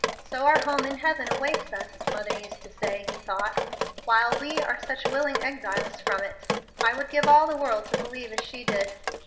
"So our home in heaven awaits us, mother used to say," he thought, "while we are such willing exiles from it. I would give all the world to believe as she did."